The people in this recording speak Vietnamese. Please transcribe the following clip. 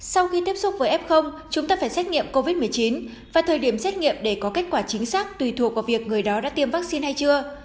sau khi tiếp xúc với f chúng ta phải xét nghiệm covid một mươi chín và thời điểm xét nghiệm để có kết quả chính xác tùy thuộc vào việc người đó đã tiêm vaccine hay chưa